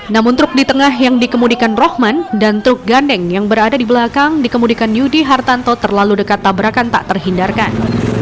namun truk di tengah yang dikemudikan rohman dan truk gandeng yang berada di belakang dikemudikan yudi hartanto terlalu dekat tabrakan tak terhindarkan